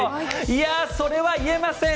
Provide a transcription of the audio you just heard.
いやあ、それは言えません！